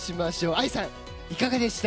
ＡＩさん、いかがでした？